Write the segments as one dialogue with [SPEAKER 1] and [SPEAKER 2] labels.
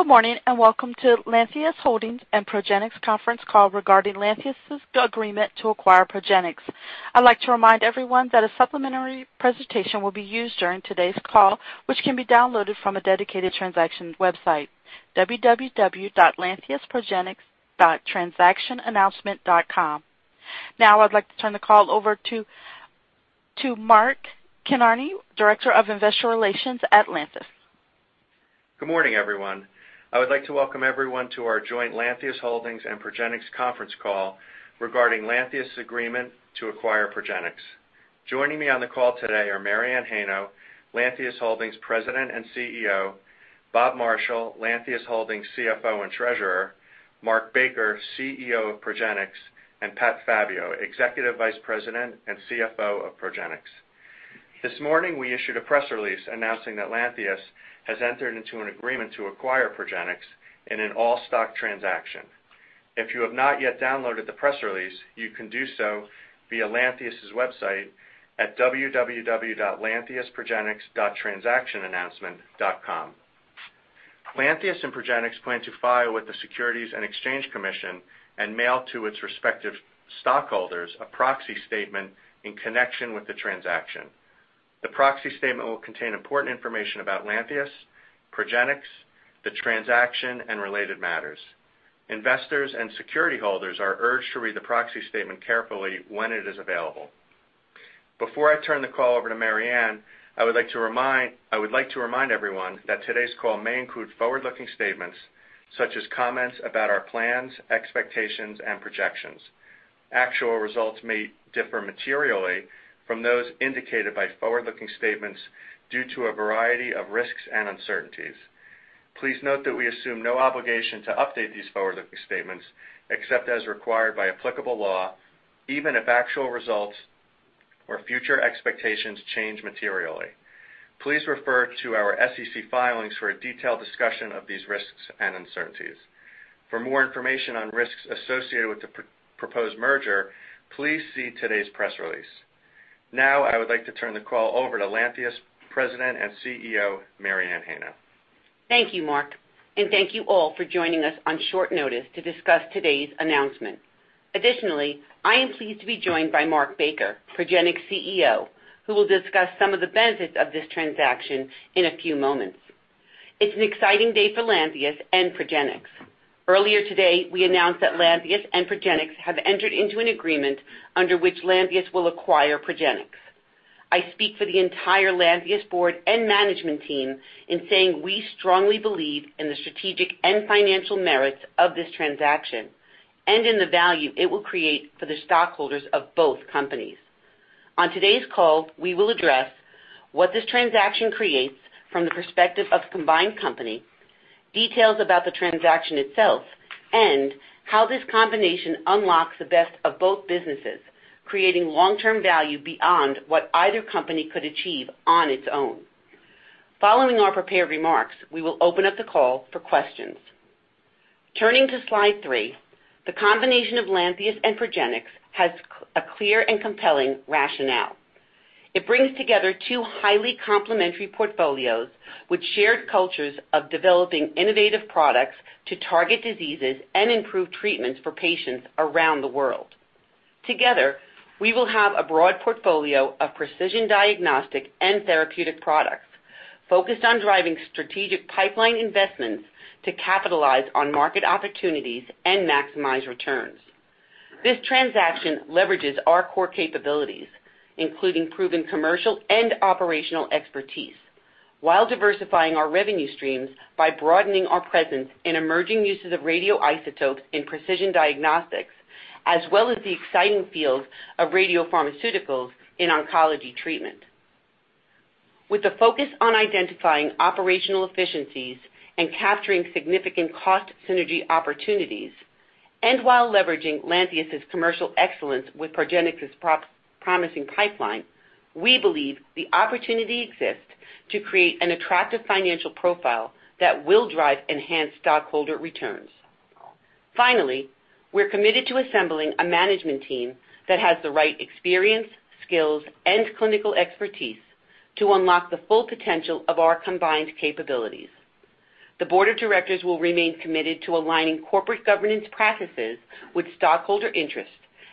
[SPEAKER 1] Good morning, welcome to Lantheus Holdings and Progenics conference call regarding Lantheus's agreement to acquire Progenics. I'd like to remind everyone that a supplementary presentation will be used during today's call, which can be downloaded from a dedicated transaction website, www.lantheusprogenics.transactionannouncement.com. Now, I'd like to turn the call over to Mark Kinarney, Vice President, Investor Relations at Lantheus.
[SPEAKER 2] Good morning, everyone. I would like to welcome everyone to our joint Lantheus Holdings and Progenics conference call regarding Lantheus's agreement to acquire Progenics. Joining me on the call today are Mary Anne Heino, Lantheus Holdings President and CEO, Bob Marshall, Lantheus Holdings CFO and Treasurer, Mark Baker, CEO of Progenics, and Pat Fabbio, Executive Vice President and CFO of Progenics. This morning, we issued a press release announcing that Lantheus has entered into an agreement to acquire Progenics in an all-stock transaction. If you have not yet downloaded the press release, you can do so via Lantheus's website at www.lantheusprogenics.transactionannouncement.com. Lantheus and Progenics plan to file with the Securities and Exchange Commission and mail to its respective stockholders a proxy statement in connection with the transaction. The proxy statement will contain important information about Lantheus, Progenics, the transaction, and related matters. Investors and security holders are urged to read the proxy statement carefully when it is available. Before I turn the call over to Mary Anne, I would like to remind everyone that today's call may include forward-looking statements such as comments about our plans, expectations, and projections. Actual results may differ materially from those indicated by forward-looking statements due to a variety of risks and uncertainties. Please note that we assume no obligation to update these forward-looking statements except as required by applicable law, even if actual results or future expectations change materially. Please refer to our SEC filings for a detailed discussion of these risks and uncertainties. For more information on risks associated with the proposed merger, please see today's press release. Now, I would like to turn the call over to Lantheus President and CEO, Mary Anne Heino.
[SPEAKER 3] Thank you, Mark. Thank you all for joining us on short notice to discuss today's announcement. Additionally, I am pleased to be joined by Mark Baker, Progenics CEO, who will discuss some of the benefits of this transaction in a few moments. It's an exciting day for Lantheus and Progenics. Earlier today, we announced that Lantheus and Progenics have entered into an agreement under which Lantheus will acquire Progenics. I speak for the entire Lantheus board and management team in saying we strongly believe in the strategic and financial merits of this transaction and in the value it will create for the stockholders of both companies. On today's call, we will address what this transaction creates from the perspective of the combined company, details about the transaction itself, and how this combination unlocks the best of both businesses, creating long-term value beyond what either company could achieve on its own. Following our prepared remarks, we will open up the call for questions. Turning to slide three, the combination of Lantheus and Progenics has a clear and compelling rationale. It brings together two highly complementary portfolios with shared cultures of developing innovative products to target diseases and improve treatments for patients around the world. Together, we will have a broad portfolio of precision diagnostic and therapeutic products focused on driving strategic pipeline investments to capitalize on market opportunities and maximize returns. This transaction leverages our core capabilities, including proven commercial and operational expertise, while diversifying our revenue streams by broadening our presence in emerging uses of radioisotopes in precision diagnostics, as well as the exciting field of radiopharmaceuticals in oncology treatment. With a focus on identifying operational efficiencies and capturing significant cost synergy opportunities, and while leveraging Lantheus's commercial excellence with Progenics's promising pipeline, we believe the opportunity exists to create an attractive financial profile that will drive enhanced stockholder returns. Finally, we're committed to assembling a management team that has the right experience, skills, and clinical expertise to unlock the full potential of our combined capabilities. The board of directors will remain committed to aligning corporate governance practices with stockholder interest,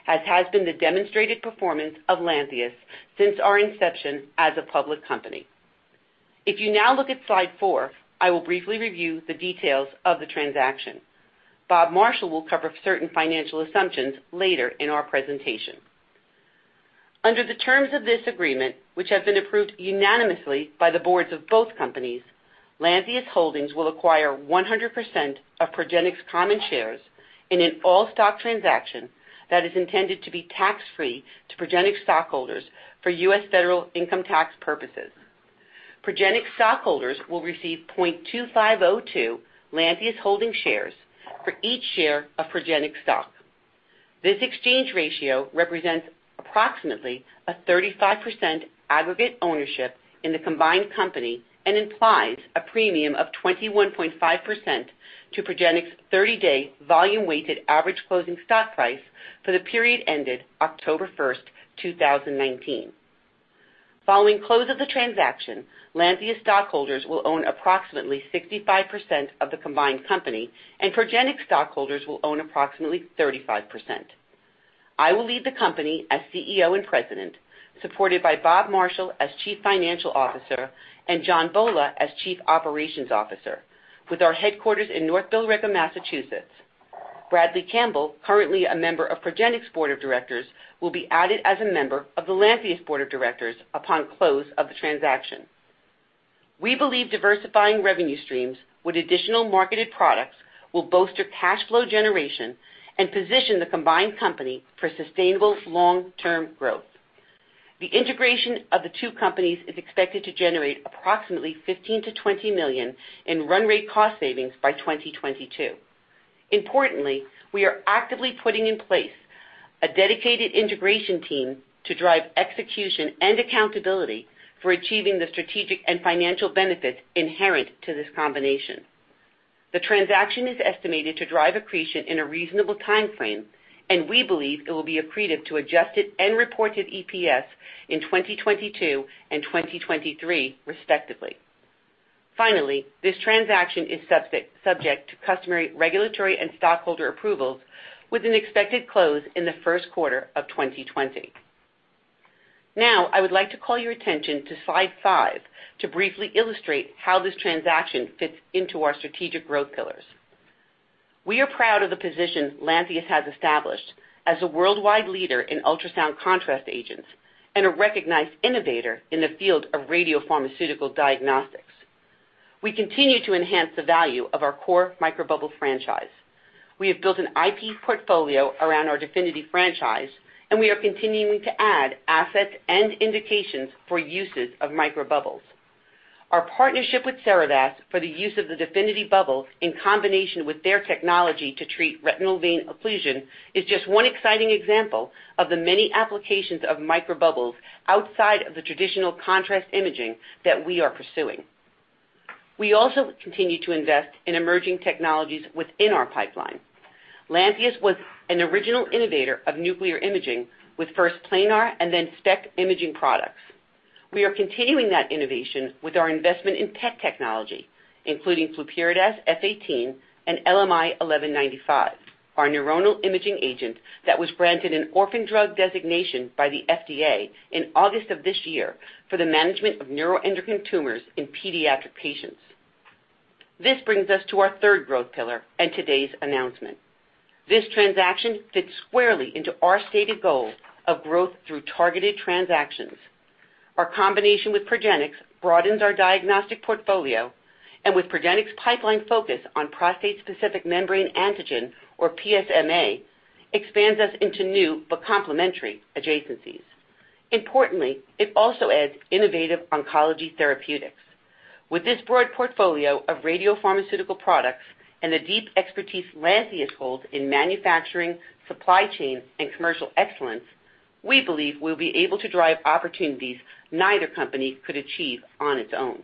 [SPEAKER 3] as has been the demonstrated performance of Lantheus since our inception as a public company. If you now look at slide four, I will briefly review the details of the transaction. Bob Marshall will cover certain financial assumptions later in our presentation. Under the terms of this agreement, which have been approved unanimously by the boards of both companies, Lantheus Holdings will acquire 100% of Progenics common shares in an all-stock transaction that is intended to be tax-free to Progenics stockholders for U.S. federal income tax purposes. Progenics stockholders will receive 0.2502 Lantheus Holdings shares for each share of Progenics stock. This exchange ratio represents approximately a 35% aggregate ownership in the combined company and implies a premium of 21.5% to Progenics' 30-day volume-weighted average closing stock price for the period ended October 1st, 2019. Following close of the transaction, Lantheus stockholders will own approximately 65% of the combined company, and Progenics stockholders will own approximately 35%. I will lead the company as CEO and President, supported by Bob Marshall as Chief Financial Officer and John Bolla as Chief Operations Officer, with our headquarters in North Billerica, Massachusetts. Bradley Campbell, currently a member of Progenics' Board of Directors, will be added as a member of the Lantheus Board of Directors upon close of the transaction. We believe diversifying revenue streams with additional marketed products will bolster cash flow generation and position the combined company for sustainable long-term growth. The integration of the two companies is expected to generate approximately $15 million-$20 million in run rate cost savings by 2022. Importantly, we are actively putting in place a dedicated integration team to drive execution and accountability for achieving the strategic and financial benefits inherent to this combination. The transaction is estimated to drive accretion in a reasonable timeframe, and we believe it will be accretive to adjusted and reported EPS in 2022 and 2023 respectively. Finally, this transaction is subject to customary regulatory and stockholder approvals with an expected close in the first quarter of 2020. Now, I would like to call your attention to slide five to briefly illustrate how this transaction fits into our strategic growth pillars. We are proud of the position Lantheus has established as a worldwide leader in ultrasound contrast agents and a recognized innovator in the field of radiopharmaceutical diagnostics. We continue to enhance the value of our core microbubble franchise. We have built an IP portfolio around our DEFINITY franchise, and we are continuing to add assets and indications for uses of microbubbles. Our partnership with Cerevast for the use of the DEFINITY bubble in combination with their technology to treat retinal vein occlusion is just one exciting example of the many applications of microbubbles outside of the traditional contrast imaging that we are pursuing. We also continue to invest in emerging technologies within our pipeline. Lantheus was an original innovator of nuclear imaging with first planar and then SPECT imaging products. We are continuing that innovation with our investment in PET technology, including Flurpiridaz F-18 and LMI 1195, our neuronal imaging agent that was granted an orphan drug designation by the FDA in August of this year for the management of neuroendocrine tumors in pediatric patients. This brings us to our third growth pillar and today's announcement. This transaction fits squarely into our stated goal of growth through targeted transactions. Our combination with Progenics broadens our diagnostic portfolio, and with Progenics' pipeline focus on prostate-specific membrane antigen, or PSMA, expands us into new but complementary adjacencies. Importantly, it also adds innovative oncology therapeutics. With this broad portfolio of radiopharmaceutical products and the deep expertise Lantheus holds in manufacturing, supply chain, and commercial excellence, we believe we'll be able to drive opportunities neither company could achieve on its own.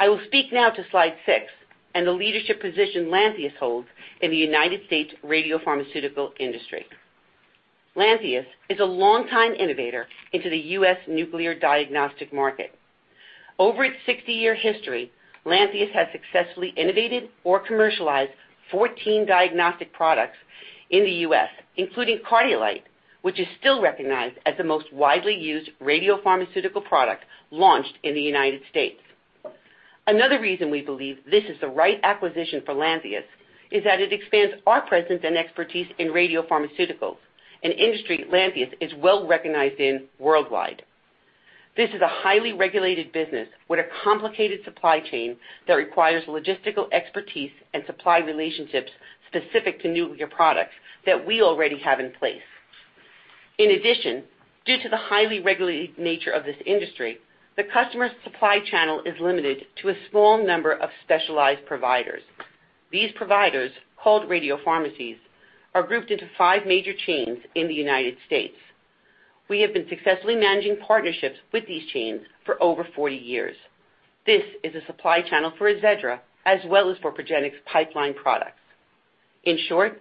[SPEAKER 3] I will speak now to slide six and the leadership position Lantheus holds in the United States radiopharmaceutical industry. Lantheus is a longtime innovator into the U.S. nuclear diagnostic market. Over its 60-year history, Lantheus has successfully innovated or commercialized 14 diagnostic products in the U.S., including Cardiolite, which is still recognized as the most widely used radiopharmaceutical product launched in the United States. Another reason we believe this is the right acquisition for Lantheus is that it expands our presence and expertise in radiopharmaceuticals, an industry Lantheus is well recognized in worldwide. This is a highly regulated business with a complicated supply chain that requires logistical expertise and supply relationships specific to nuclear products that we already have in place. Due to the highly regulated nature of this industry, the customer supply channel is limited to a small number of specialized providers. These providers, called radiopharmacies, are grouped into five major chains in the U.S. We have been successfully managing partnerships with these chains for over 40 years. This is a supply channel for AZEDRA as well as for Progenics pipeline products. In short,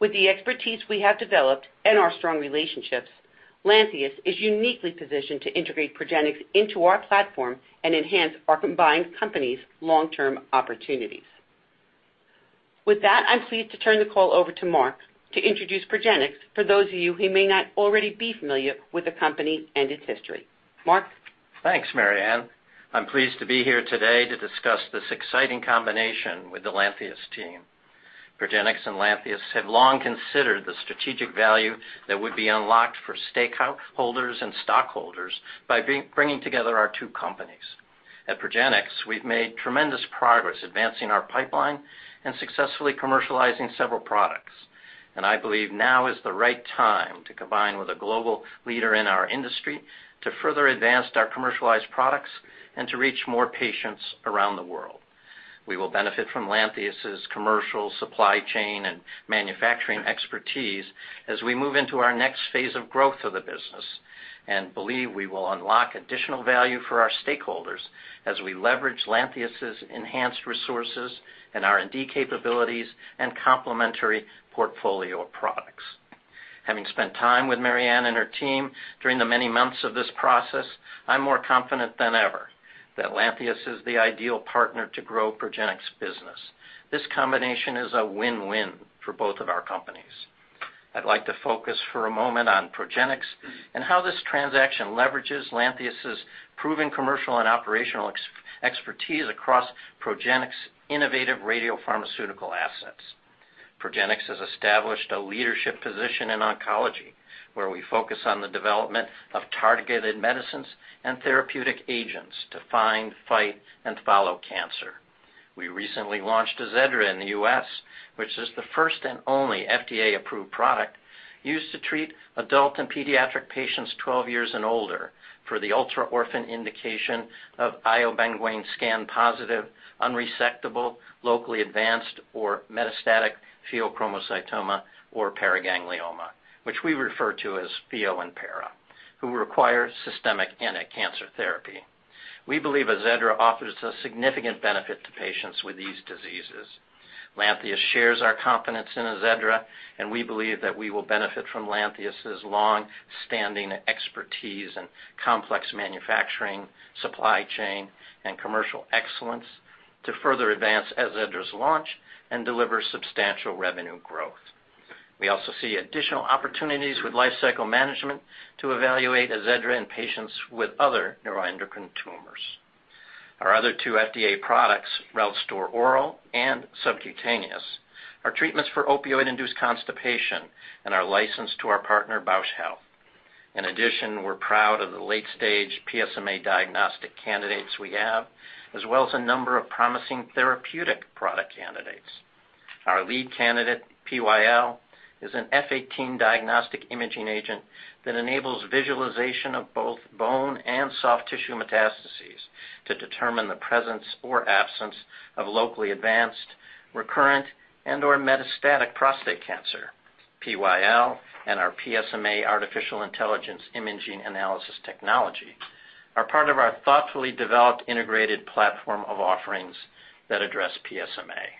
[SPEAKER 3] with the expertise we have developed and our strong relationships, Lantheus is uniquely positioned to integrate Progenics into our platform and enhance our combined company's long-term opportunities. With that, I'm pleased to turn the call over to Mark to introduce Progenics for those of you who may not already be familiar with the company and its history. Mark?
[SPEAKER 4] Thanks, Mary Anne. I'm pleased to be here today to discuss this exciting combination with the Lantheus team. Progenics and Lantheus have long considered the strategic value that would be unlocked for stakeholders and stockholders by bringing together our two companies. At Progenics, we've made tremendous progress advancing our pipeline and successfully commercializing several products. I believe now is the right time to combine with a global leader in our industry to further advance our commercialized products and to reach more patients around the world. We will benefit from Lantheus' commercial supply chain and manufacturing expertise as we move into our next phase of growth of the business and believe we will unlock additional value for our stakeholders as we leverage Lantheus' enhanced resources and R&D capabilities and complementary portfolio of products. Having spent time with Mary Anne and her team during the many months of this process, I'm more confident than ever that Lantheus is the ideal partner to grow Progenics' business. This combination is a win-win for both of our companies. I'd like to focus for a moment on Progenics and how this transaction leverages Lantheus' proven commercial and operational expertise across Progenics' innovative radiopharmaceutical assets. Progenics has established a leadership position in oncology, where we focus on the development of targeted medicines and therapeutic agents to find, fight, and follow cancer. We recently launched AZEDRA in the U.S., which is the first and only FDA-approved product used to treat adult and pediatric patients 12 years and older for the ultra-orphan indication of iobenguane scan-positive, unresectable, locally advanced or metastatic pheochromocytoma or paraganglioma, which we refer to as pheo and para, who require systemic anti-cancer therapy. We believe AZEDRA offers a significant benefit to patients with these diseases. We believe that we will benefit from Lantheus' long-standing expertise in complex manufacturing, supply chain, and commercial excellence to further advance AZEDRA's launch and deliver substantial revenue growth. We also see additional opportunities with lifecycle management to evaluate AZEDRA in patients with other neuroendocrine tumors. Our other two FDA products, RELISTOR Oral and Subcutaneous, are treatments for opioid-induced constipation and are licensed to our partner, Bausch Health. We're proud of the late-stage PSMA diagnostic candidates we have, as well as a number of promising therapeutic product candidates. Our lead candidate, PyL, is an F-18 diagnostic imaging agent that enables visualization of both bone and soft tissue metastases to determine the presence or absence of locally advanced, recurrent, and/or metastatic prostate cancer. PyL and our PSMA artificial intelligence imaging analysis technology are part of our thoughtfully developed integrated platform of offerings that address PSMA.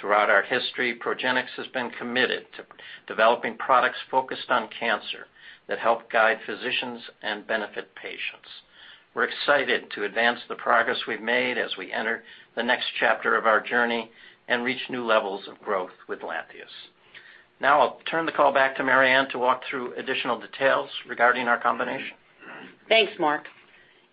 [SPEAKER 4] Throughout our history, Progenics has been committed to developing products focused on cancer that help guide physicians and benefit patients. We're excited to advance the progress we've made as we enter the next chapter of our journey and reach new levels of growth with Lantheus. I'll turn the call back to Mary Anne to walk through additional details regarding our combination.
[SPEAKER 3] Thanks, Mark.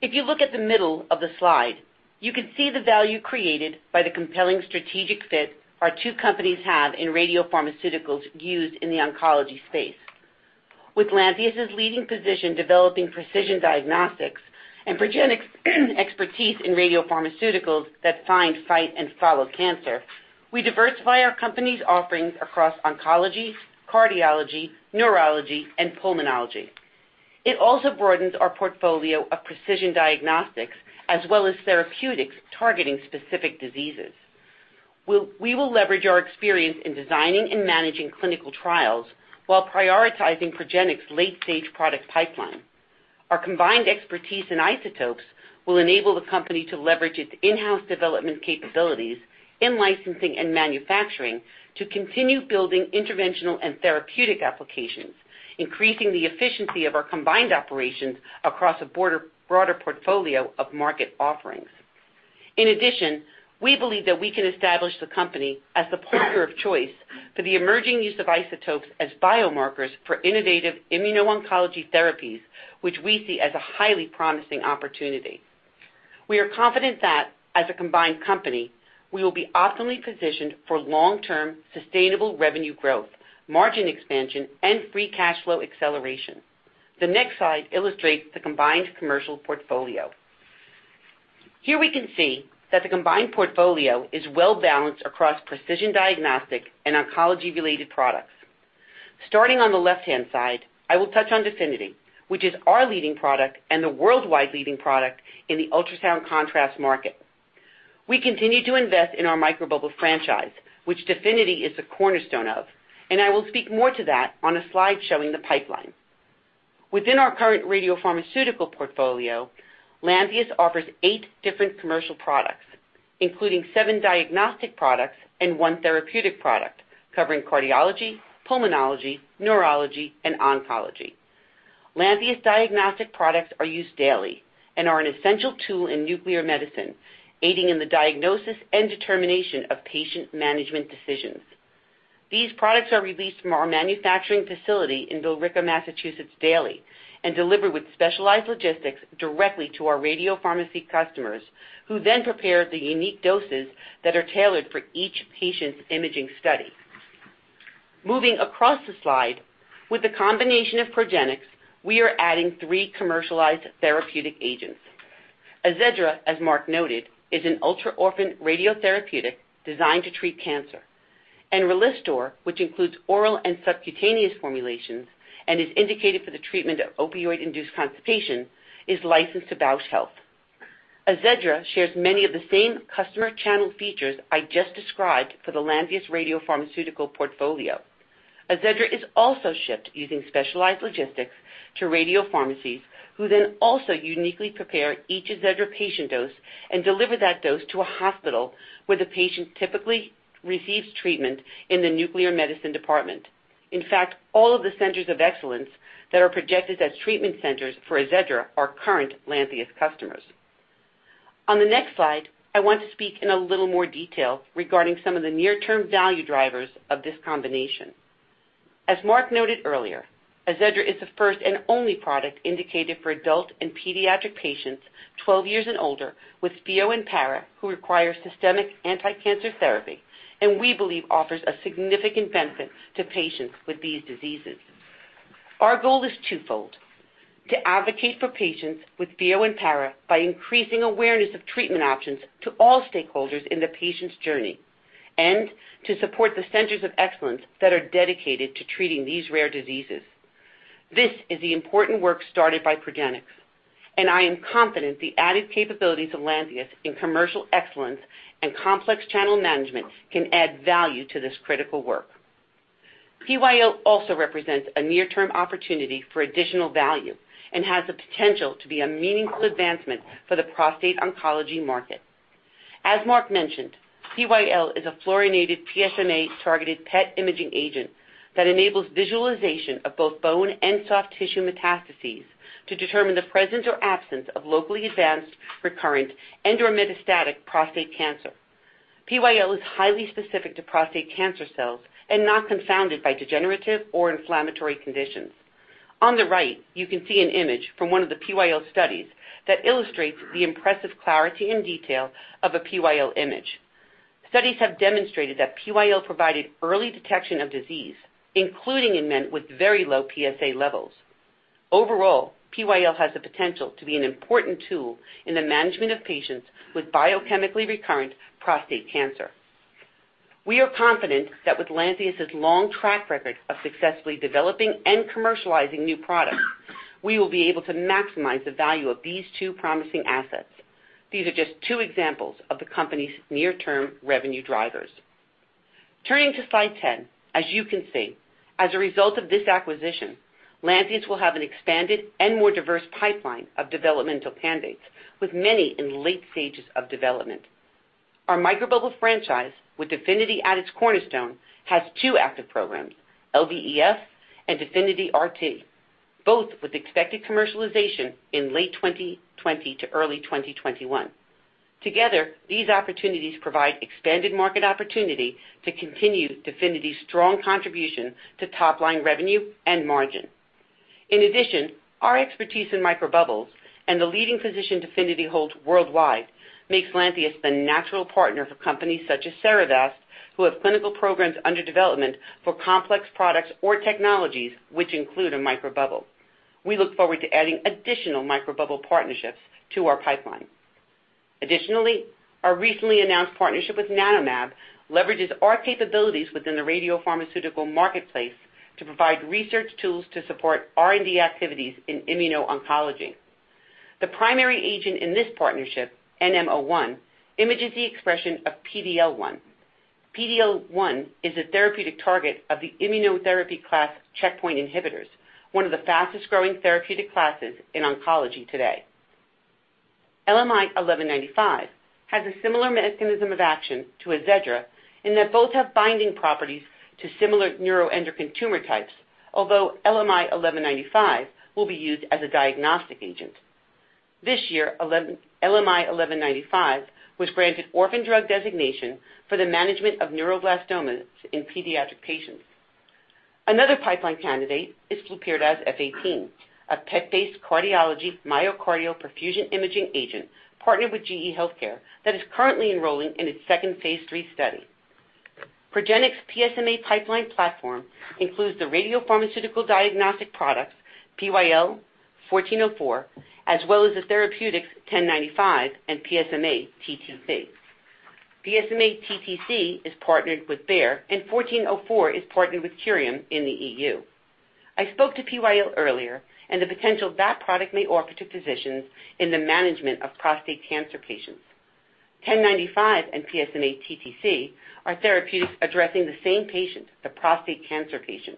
[SPEAKER 3] If you look at the middle of the slide, you can see the value created by the compelling strategic fit our two companies have in radiopharmaceuticals used in the oncology space. With Lantheus' leading position developing precision diagnostics and Progenics' expertise in radiopharmaceuticals that find, fight, and follow cancer, we diversify our company's offerings across oncology, cardiology, neurology, and pulmonology. It also broadens our portfolio of precision diagnostics as well as therapeutics targeting specific diseases. We will leverage our experience in designing and managing clinical trials while prioritizing Progenics' late-stage product pipeline. Our combined expertise in isotopes will enable the company to leverage its in-house development capabilities in licensing and manufacturing to continue building interventional and therapeutic applications, increasing the efficiency of our combined operations across a broader portfolio of market offerings. We believe that we can establish the company as the partner of choice for the emerging use of isotopes as biomarkers for innovative immuno-oncology therapies, which we see as a highly promising opportunity. We are confident that, as a combined company, we will be optimally positioned for long-term sustainable revenue growth, margin expansion, and free cash flow acceleration. The next slide illustrates the combined commercial portfolio. Here, we can see that the combined portfolio is well-balanced across precision diagnostic and oncology-related products. Starting on the left-hand side, I will touch on DEFINITY, which is our leading product and the worldwide leading product in the ultrasound contrast market. We continue to invest in our microbubble franchise, which DEFINITY is the cornerstone of, and I will speak more to that on a slide showing the pipeline. Within our current radiopharmaceutical portfolio, Lantheus offers eight different commercial products, including seven diagnostic products and one therapeutic product covering cardiology, pulmonology, neurology, and oncology. Lantheus diagnostic products are used daily and are an essential tool in nuclear medicine, aiding in the diagnosis and determination of patient management decisions. These products are released from our manufacturing facility in Billerica, Massachusetts, daily and delivered with specialized logistics directly to our radiopharmacy customers, who then prepare the unique doses that are tailored for each patient's imaging study. Moving across the slide, with the combination of Progenics, we are adding three commercialized therapeutic agents. AZEDRA, as Mark noted, is an ultra-orphan radiotherapeutic designed to treat cancer, and RELISTOR, which includes oral and subcutaneous formulations and is indicated for the treatment of opioid-induced constipation, is licensed to Bausch Health. AZEDRA shares many of the same customer channel features I just described for the Lantheus radiopharmaceutical portfolio. AZEDRA is also shipped using specialized logistics to radiopharmacies, who then also uniquely prepare each AZEDRA patient dose and deliver that dose to a hospital where the patient typically receives treatment in the nuclear medicine department. In fact, all of the centers of excellence that are projected as treatment centers for AZEDRA are current Lantheus customers. On the next slide, I want to speak in a little more detail regarding some of the near-term value drivers of this combination. As Mark noted earlier, AZEDRA is the first and only product indicated for adult and pediatric patients 12 years and older with pheo and para who require systemic anticancer therapy, and we believe offers a significant benefit to patients with these diseases. Our goal is twofold: to advocate for patients with pheo and para by increasing awareness of treatment options to all stakeholders in the patient's journey, and to support the centers of excellence that are dedicated to treating these rare diseases. This is the important work started by Progenics, and I am confident the added capabilities of Lantheus in commercial excellence and complex channel management can add value to this critical work. PyL also represents a near-term opportunity for additional value and has the potential to be a meaningful advancement for the prostate oncology market. As Mark mentioned, PyL is a fluorinated PSMA-targeted PET imaging agent that enables visualization of both bone and soft tissue metastases to determine the presence or absence of locally advanced, recurrent, and/or metastatic prostate cancer. PyL is highly specific to prostate cancer cells and not confounded by degenerative or inflammatory conditions. On the right, you can see an image from one of the PyL studies that illustrates the impressive clarity and detail of a PyL image. Studies have demonstrated that PyL provided early detection of disease, including in men with very low PSA levels. Overall, PyL has the potential to be an important tool in the management of patients with biochemically recurrent prostate cancer. We are confident that with Lantheus's long track record of successfully developing and commercializing new products, we will be able to maximize the value of these two promising assets. These are just two examples of the company's near-term revenue drivers. Turning to slide 10, as you can see, as a result of this acquisition, Lantheus will have an expanded and more diverse pipeline of developmental candidates with many in late stages of development. Our microbubble franchise, with DEFINITY at its cornerstone, has 2 active programs, LBES and DEFINITY RT, both with expected commercialization in late 2020 to early 2021. Together, these opportunities provide expanded market opportunity to continue DEFINITY's strong contribution to top-line revenue and margin. In addition, our expertise in microbubbles and the leading position DEFINITY holds worldwide makes Lantheus the natural partner for companies such as Cerevast, who have clinical programs under development for complex products or technologies which include a microbubble. We look forward to adding additional microbubble partnerships to our pipeline. Additionally, our recently announced partnership with NanoMab leverages our capabilities within the radiopharmaceutical marketplace to provide research tools to support R&D activities in immuno-oncology. The primary agent in this partnership, NM-01, images the expression of PD-L1. PD-L1 is a therapeutic target of the immunotherapy class checkpoint inhibitors, one of the fastest-growing therapeutic classes in oncology today. LMI 1195 has a similar mechanism of action to AZEDRA in that both have binding properties to similar neuroendocrine tumor types, although LMI 1195 will be used as a diagnostic agent. This year, LMI 1195 was granted orphan drug designation for the management of neuroblastomas in pediatric patients. Another pipeline candidate is Flurpiridaz F-18, a PET-based cardiology myocardial perfusion imaging agent partnered with GE HealthCare that is currently enrolling in its 2nd phase III study. Progenics' PSMA pipeline platform includes the radiopharmaceutical diagnostic products PyL, 1404, as well as the therapeutics 1095 and PSMA-TTC. PSMA-TTC is partnered with Bayer, and 1404 is partnered with Curium in the EU. I spoke to PyL earlier and the potential that product may offer to physicians in the management of prostate cancer patients. 1095 and PSMA-TTC are therapeutics addressing the same patient, the prostate cancer patient.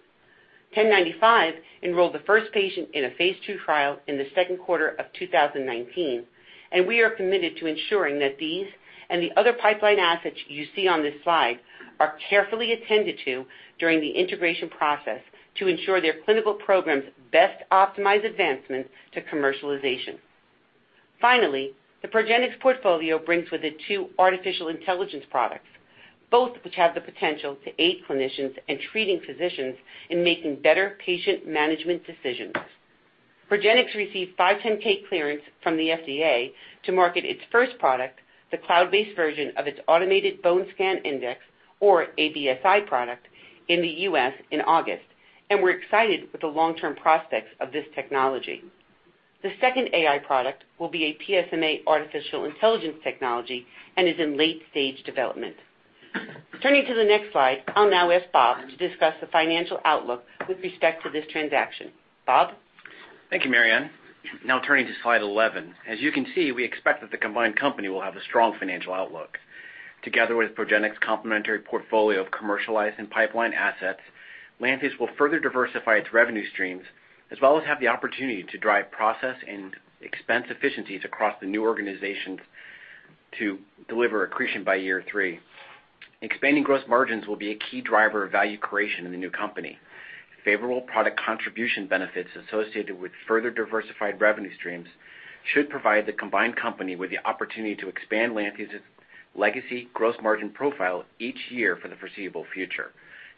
[SPEAKER 3] 1095 enrolled the first patient in a Phase II trial in the second quarter of 2019, and we are committed to ensuring that these and the other pipeline assets you see on this slide are carefully attended to during the integration process to ensure their clinical programs best optimize advancement to commercialization. Finally, the Progenics portfolio brings with it two artificial intelligence products, both of which have the potential to aid clinicians and treating physicians in making better patient management decisions. Progenics received 510(k) clearance from the FDA to market its first product, the cloud-based version of its automated bone scan index, or aBSI product, in the U.S. in August, and we're excited for the long-term prospects of this technology. The second AI product will be a PSMA artificial intelligence technology and is in late-stage development. Turning to the next slide, I'll now ask Bob to discuss the financial outlook with respect to this transaction. Bob?
[SPEAKER 5] Thank you, Mary Anne. Now turning to slide 11. As you can see, we expect that the combined company will have a strong financial outlook. Together with Progenics' complementary portfolio of commercialized and pipeline assets, Lantheus will further diversify its revenue streams, as well as have the opportunity to drive process and expense efficiencies across the new organization's. To deliver accretion by year three. Expanding gross margins will be a key driver of value creation in the new company. Favorable product contribution benefits associated with further diversified revenue streams should provide the combined company with the opportunity to expand Lantheus' legacy gross margin profile each year for the foreseeable future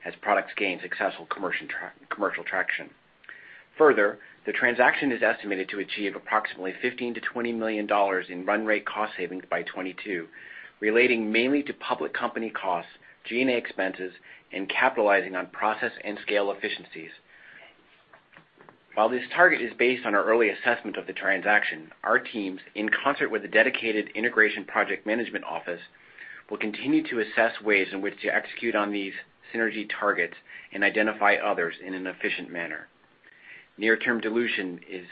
[SPEAKER 5] as products gain successful commercial traction. Further, the transaction is estimated to achieve approximately $15 million-$20 million in run rate cost savings by 2022, relating mainly to public company costs, G&A expenses, and capitalizing on process and scale efficiencies. While this target is based on our early assessment of the transaction, our teams, in concert with a dedicated integration project management office, will continue to assess ways in which to execute on these synergy targets and identify others in an efficient manner. Near-term dilution is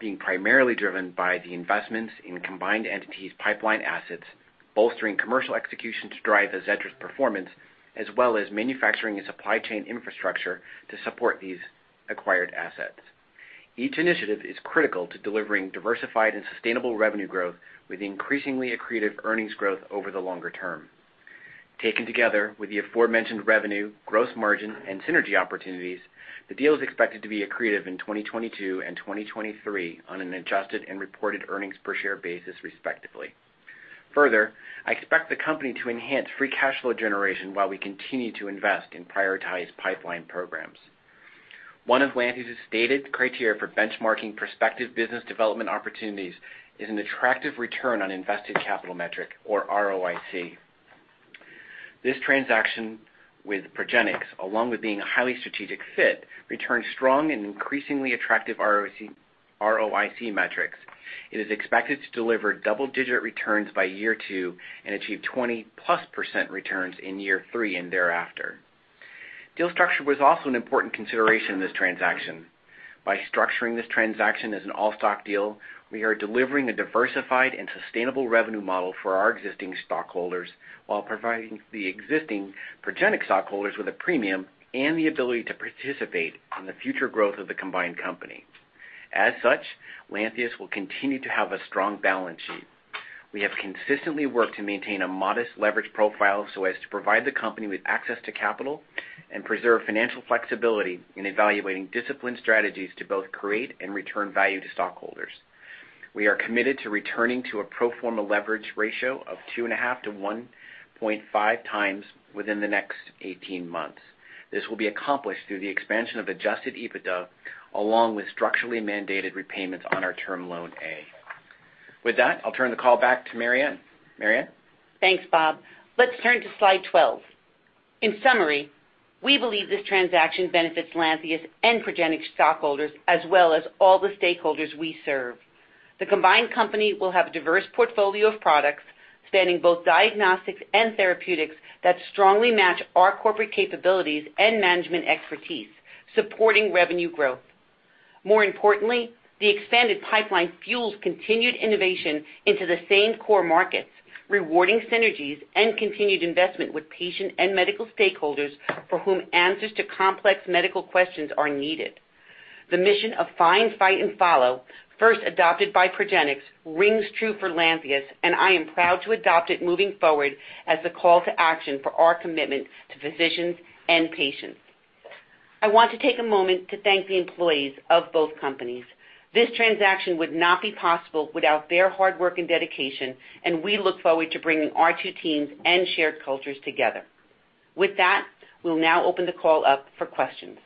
[SPEAKER 5] being primarily driven by the investments in combined entities pipeline assets, bolstering commercial execution to drive AZEDRA's performance, as well as manufacturing and supply chain infrastructure to support these acquired assets. Each initiative is critical to delivering diversified and sustainable revenue growth with increasingly accretive earnings growth over the longer term. Taken together with the aforementioned revenue, gross margin, and synergy opportunities, the deal is expected to be accretive in 2022 and 2023 on an adjusted and reported earnings per share basis, respectively. Further, I expect the company to enhance free cash flow generation while we continue to invest in prioritized pipeline programs. One of Lantheus' stated criteria for benchmarking prospective business development opportunities is an attractive return on invested capital metric or ROIC. This transaction with Progenics, along with being a highly strategic fit, returns strong and increasingly attractive ROIC metrics. It is expected to deliver double-digit returns by year 2 and achieve 20-plus% returns in year 3 and thereafter. Deal structure was also an important consideration in this transaction. By structuring this transaction as an all-stock deal, we are delivering a diversified and sustainable revenue model for our existing stockholders while providing the existing Progenics stockholders with a premium and the ability to participate on the future growth of the combined company. As such, Lantheus will continue to have a strong balance sheet. We have consistently worked to maintain a modest leverage profile so as to provide the company with access to capital and preserve financial flexibility in evaluating disciplined strategies to both create and return value to stockholders. We are committed to returning to a pro forma leverage ratio of 2.5-1.5 times within the next 18 months. This will be accomplished through the expansion of adjusted EBITDA along with structurally mandated repayments on our term loan A. With that, I'll turn the call back to Mary Anne. Mary Anne?
[SPEAKER 3] Thanks, Bob. Let's turn to slide 12. In summary, we believe this transaction benefits Lantheus and Progenics stockholders as well as all the stakeholders we serve. The combined company will have a diverse portfolio of products spanning both diagnostics and therapeutics that strongly match our corporate capabilities and management expertise, supporting revenue growth. More importantly, the expanded pipeline fuels continued innovation into the same core markets, rewarding synergies and continued investment with patient and medical stakeholders for whom answers to complex medical questions are needed. The mission of find, fight, and follow, first adopted by Progenics, rings true for Lantheus, and I am proud to adopt it moving forward as the call to action for our commitment to physicians and patients. I want to take a moment to thank the employees of both companies. This transaction would not be possible without their hard work and dedication, and we look forward to bringing our two teams and shared cultures together. With that, we will now open the call up for questions.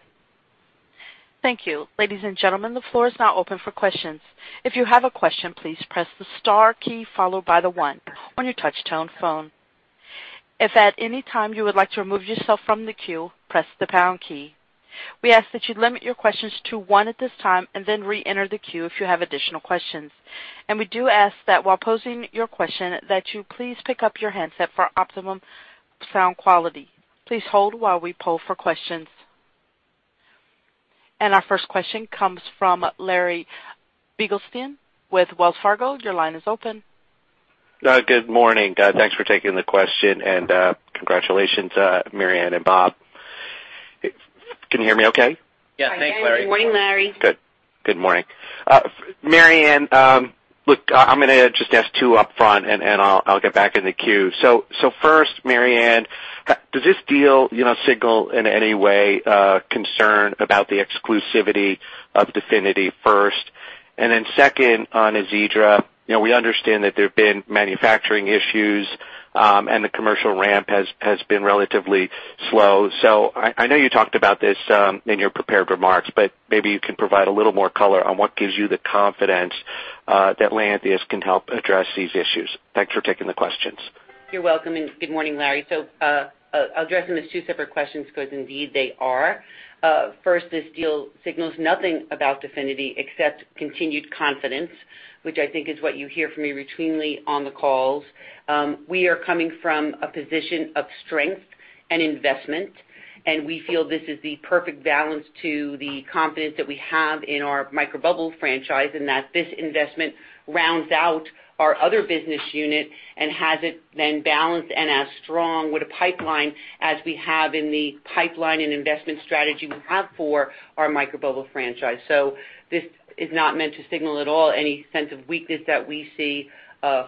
[SPEAKER 1] Thank you. Ladies and gentlemen, the floor is now open for questions. If you have a question, please press the star key followed by the one on your touch-tone phone. If at any time you would like to remove yourself from the queue, press the pound key. We ask that you limit your questions to one at this time and then re-enter the queue if you have additional questions. We do ask that while posing your question that you please pick up your handset for optimum sound quality. Please hold while we poll for questions. Our first question comes from Larry Biegelsen with Wells Fargo. Your line is open.
[SPEAKER 6] Good morning. Thanks for taking the question and congratulations, Mary Anne and Bob. Can you hear me okay?
[SPEAKER 5] Yes, thanks, Larry.
[SPEAKER 3] Good morning, Larry.
[SPEAKER 6] Good morning. Mary Anne, look, I'm going to just ask two upfront and I'll get back in the queue. First, Mary Anne, does this deal signal in any way concern about the exclusivity of DEFINITY first? Then second on AZEDRA, we understand that there have been manufacturing issues and the commercial ramp has been relatively slow. I know you talked about this in your prepared remarks, but maybe you can provide a little more color on what gives you the confidence that Lantheus can help address these issues. Thanks for taking the questions.
[SPEAKER 3] You're welcome, and good morning, Larry. I'll address them as two separate questions because indeed they are. First, this deal signals nothing about DEFINITY except continued confidence, which I think is what you hear from me routinely on the calls. We are coming from a position of strength and investment, and we feel this is the perfect balance to the confidence that we have in our microbubble franchise, and that this investment rounds out our other business unit and has it then balanced and as strong with a pipeline as we have in the pipeline and investment strategy we have for our microbubble franchise. This is not meant to signal at all any sense of weakness that we see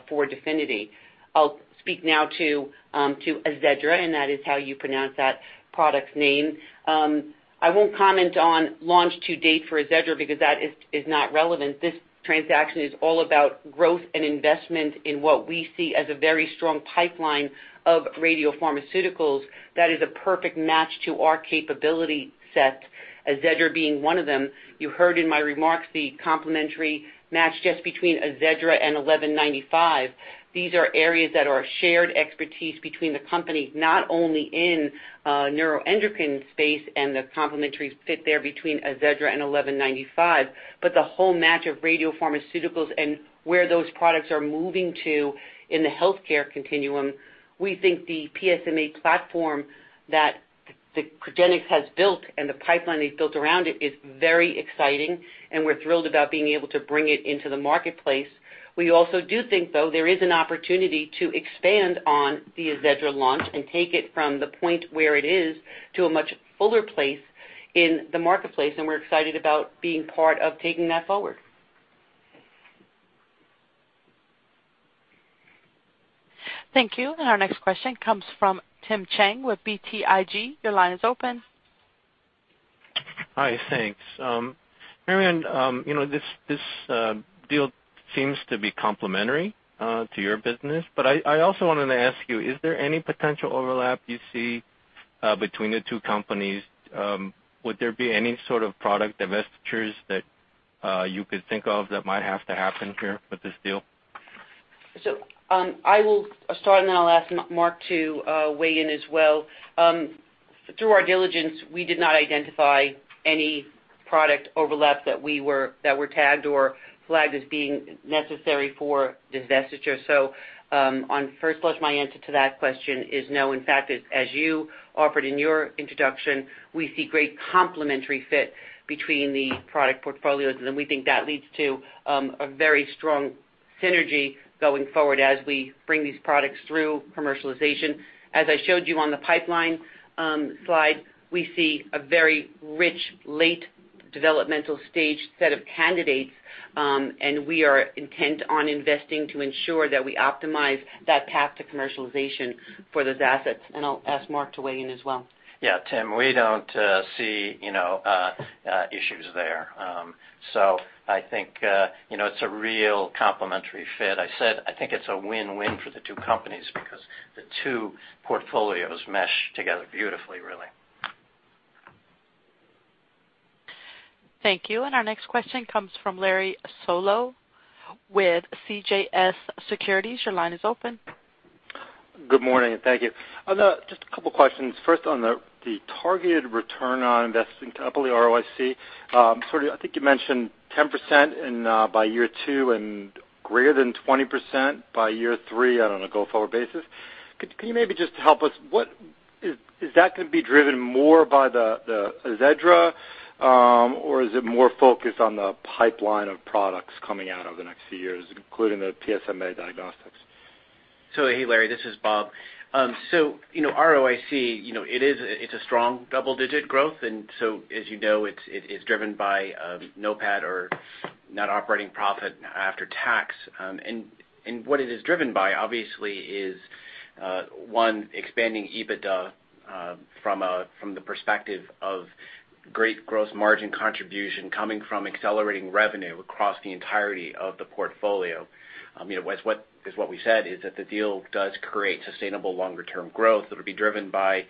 [SPEAKER 3] for DEFINITY. I'll speak now to AZEDRA, and that is how you pronounce that product's name. I won't comment on launch to date for AZEDRA because that is not relevant. This transaction is all about growth and investment in what we see as a very strong pipeline of radiopharmaceuticals that is a perfect match to our capability set, AZEDRA being one of them. You heard in my remarks the complementary match just between AZEDRA and 1195. These are areas that are a shared expertise between the companies, not only in neuroendocrine space and the complementary fit there between AZEDRA and 1195, but the whole match of radiopharmaceuticals and where those products are moving to in the healthcare continuum. We think the PSMA platform that Progenics has built and the pipeline they've built around it is very exciting, and we're thrilled about being able to bring it into the marketplace. We also do think, though, there is an opportunity to expand on the AZEDRA launch and take it from the point where it is to a much fuller place in the marketplace, and we're excited about being part of taking that forward.
[SPEAKER 1] Thank you. Our next question comes from Tim Chiang with BTIG. Your line is open.
[SPEAKER 7] Hi, thanks. Mary Anne, this deal seems to be complementary to your business, but I also wanted to ask you, is there any potential overlap you see between the two companies? Would there be any sort of product divestitures that you could think of that might have to happen here with this deal?
[SPEAKER 3] I will start, and then I'll ask Mark to weigh in as well. Through our diligence, we did not identify any product overlap that were tagged or flagged as being necessary for divestiture. On first blush, my answer to that question is no. In fact, as you offered in your introduction, we see great complementary fit between the product portfolios, and we think that leads to a very strong synergy going forward as we bring these products through commercialization. As I showed you on the pipeline slide, we see a very rich, late developmental stage set of candidates, and we are intent on investing to ensure that we optimize that path to commercialization for those assets. I'll ask Mark to weigh in as well.
[SPEAKER 4] Yeah, Tim, we don't see issues there. I think it's a real complementary fit. I said I think it's a win-win for the two companies because the two portfolios mesh together beautifully, really.
[SPEAKER 1] Thank you. Our next question comes from Larry Solow with CJS Securities. Your line is open.
[SPEAKER 8] Good morning, and thank you. Just a couple of questions. First, on the targeted return on investing capital, the ROIC, I think you mentioned 10% by year two and greater than 20% by year three on a go-forward basis. Could you maybe just help us? Is that going to be driven more by the AZEDRA, or is it more focused on the pipeline of products coming out over the next few years, including the PSMA diagnostics?
[SPEAKER 5] Hey, Larry, this is Bob. ROIC, it's a strong double-digit growth, as you know, it's driven by NOPAT or net operating profit after tax. What it is driven by, obviously, is one, expanding EBITDA from the perspective of great gross margin contribution coming from accelerating revenue across the entirety of the portfolio. Because what we said is that the deal does create sustainable longer-term growth that'll be driven by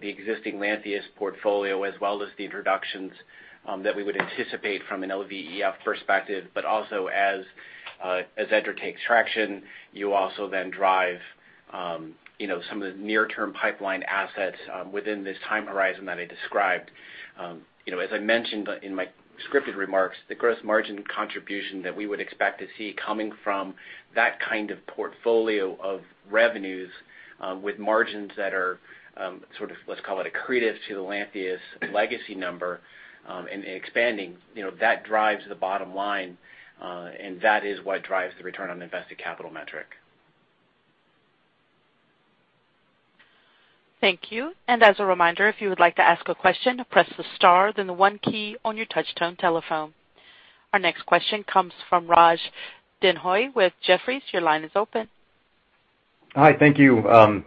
[SPEAKER 5] the existing Lantheus portfolio as well as the introductions that we would anticipate from an LVEF perspective. Also as AZEDRA takes traction, you also then drive some of the near-term pipeline assets within this time horizon that I described. As I mentioned in my scripted remarks, the gross margin contribution that we would expect to see coming from that kind of portfolio of revenues with margins that are sort of, let's call it accretive to the Lantheus legacy number and expanding, that drives the bottom line, that is what drives the return on invested capital metric.
[SPEAKER 1] Thank you. As a reminder, if you would like to ask a question, press the star, then the one key on your touch-tone telephone. Our next question comes from Raj Denhoy with Jefferies. Your line is open.
[SPEAKER 9] Hi. Thank you.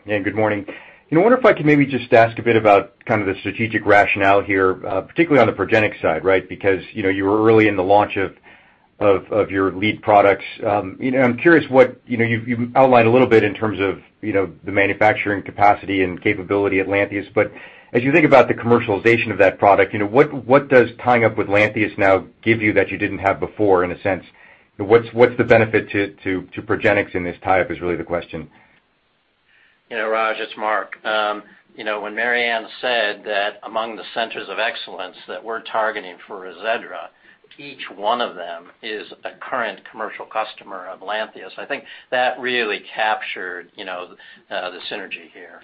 [SPEAKER 9] Good morning. I wonder if I could maybe just ask a bit about kind of the strategic rationale here, particularly on the Progenics side, right? You were early in the launch of your lead products. I'm curious what you've outlined a little bit in terms of the manufacturing capacity and capability at Lantheus. As you think about the commercialization of that product, what does tying up with Lantheus now give you that you didn't have before, in a sense? What's the benefit to Progenics in this tie-up is really the question?
[SPEAKER 4] Raj, it's Mark. When Mary Anne said that among the centers of excellence that we're targeting for AZEDRA, each one of them is a current commercial customer of Lantheus. I think that really captured the synergy here.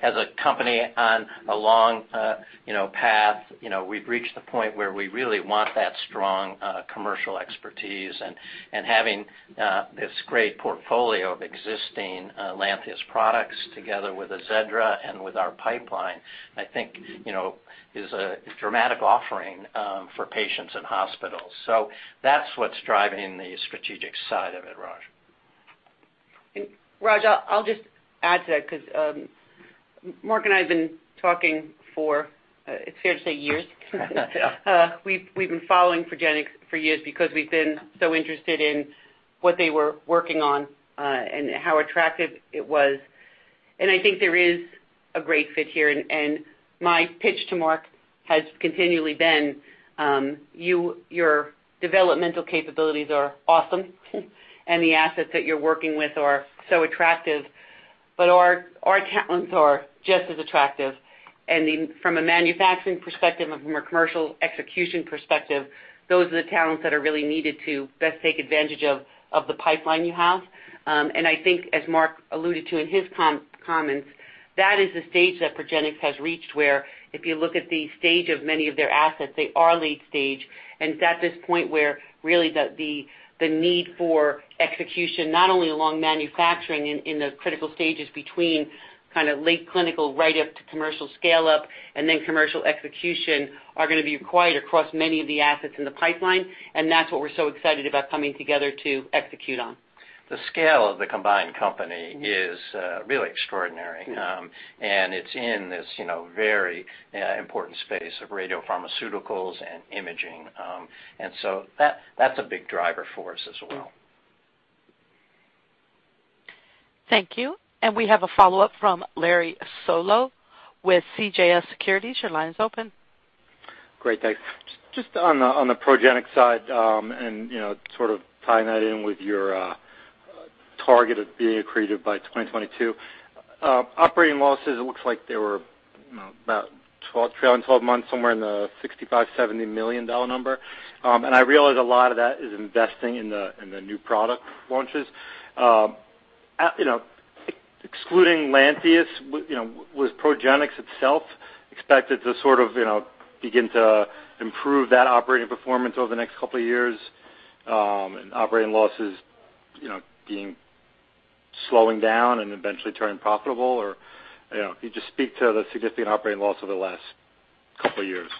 [SPEAKER 4] As a company on a long path, we've reached the point where we really want that strong commercial expertise and having this great portfolio of existing Lantheus products together with AZEDRA and with our pipeline, I think, is a dramatic offering for patients and hospitals. That's what's driving the strategic side of it, Raj.
[SPEAKER 3] Raj, I'll just add to that because Mark and I have been talking for, it's fair to say, years. We've been following Progenics for years because we've been so interested in what they were working on, and how attractive it was. I think there is a great fit here, and my pitch to Mark has continually been, your developmental capabilities are awesome, and the assets that you're working with are so attractive, but our talents are just as attractive. From a manufacturing perspective and from a commercial execution perspective, those are the talents that are really needed to best take advantage of the pipeline you have. I think as Mark alluded to in his comments, that is the stage that Progenics has reached where if you look at the stage of many of their assets, they are late stage. It's at this point where really the need for execution, not only along manufacturing in the critical stages between late clinical right up to commercial scaleup and then commercial execution, are going to be required across many of the assets in the pipeline, and that's what we're so excited about coming together to execute on.
[SPEAKER 4] The scale of the combined company is really extraordinary, and it's in this very important space of radiopharmaceuticals and imaging. That's a big driver for us as well.
[SPEAKER 1] Thank you. We have a follow-up from Larry Solow with CJS Securities. Your line is open.
[SPEAKER 8] Great. Thanks. Just on the Progenics side, sort of tying that in with your target of being accretive by 2022. Operating losses, it looks like they were trailing 12 months, somewhere in the $65 million-$70 million number. I realize a lot of that is investing in the new product launches. Excluding Lantheus, was Progenics itself expected to sort of begin to improve that operating performance over the next couple of years, and operating losses slowing down and eventually turning profitable? Could you just speak to the significant operating loss over the last couple of years?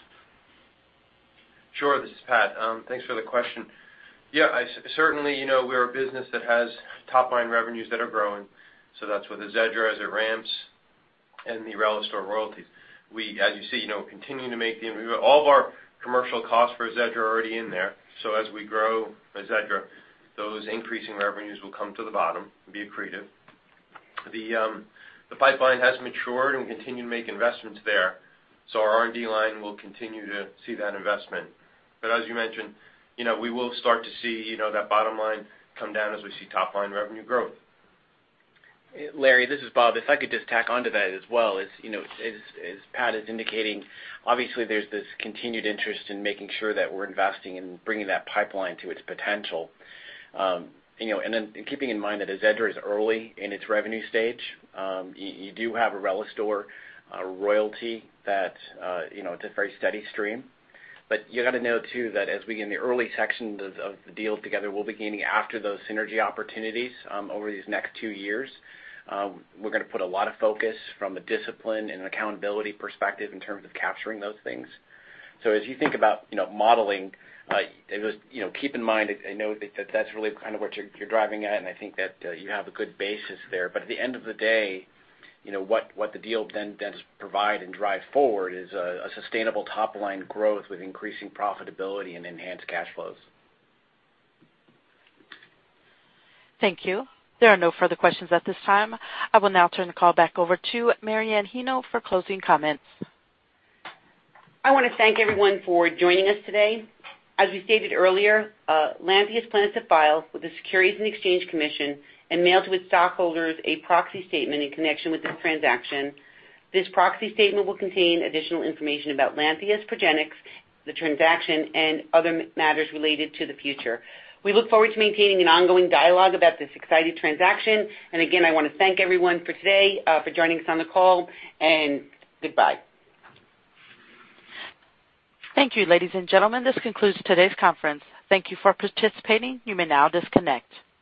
[SPEAKER 10] Sure. This is Pat. Thanks for the question. Yeah. Certainly, we're a business that has top-line revenues that are growing. That's with AZEDRA as it ramps and the RELISTOR royalties. As you see, continuing to make all of our commercial costs for AZEDRA are already in there. As we grow AZEDRA, those increasing revenues will come to the bottom and be accretive. The pipeline has matured, and we continue to make investments there. Our R&D line will continue to see that investment. As you mentioned, we will start to see that bottom line come down as we see top-line revenue growth.
[SPEAKER 5] Larry, this is Bob. If I could just tack onto that as well. As Pat is indicating, obviously, there's this continued interest in making sure that we're investing in bringing that pipeline to its potential. Then keeping in mind that AZEDRA is early in its revenue stage. You do have a RELISTOR royalty that's a very steady stream. You got to know, too, that as we in the early sections of the deal together, we'll be gaining after those synergy opportunities over these next two years. We're going to put a lot of focus from a discipline and an accountability perspective in terms of capturing those things. As you think about modeling, keep in mind, I know that that's really what you're driving at, and I think that you have a good basis there. At the end of the day, what the deal then does provide and drive forward is a sustainable top-line growth with increasing profitability and enhanced cash flows.
[SPEAKER 1] Thank you. There are no further questions at this time. I will now turn the call back over to Mary Anne Heino for closing comments.
[SPEAKER 3] I want to thank everyone for joining us today. As we stated earlier, Lantheus plans to file with the Securities and Exchange Commission and mail to its stockholders a proxy statement in connection with this transaction. This proxy statement will contain additional information about Lantheus, Progenics, the transaction, and other matters related to the future. We look forward to maintaining an ongoing dialogue about this exciting transaction. Again, I want to thank everyone for today for joining us on the call, and goodbye.
[SPEAKER 1] Thank you, ladies and gentlemen. This concludes today's conference. Thank you for participating. You may now disconnect.